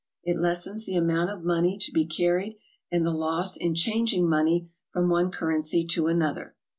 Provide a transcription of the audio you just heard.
It lessens the amount of money to be carried, and the loss in changing money from one currency to another.